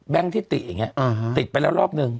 แบงค์ที่ติดอย่างนี้ติดไปแล้วรอบหนึ่ง